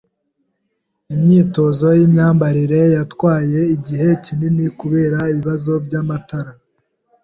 Imyitozo yimyambarire yatwaye igihe kinini kubera ibibazo byamatara.